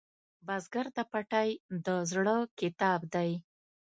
بزګر ته پټی د زړۀ کتاب دی